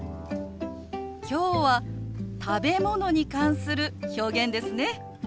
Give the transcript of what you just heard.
今日は食べ物に関する表現ですね。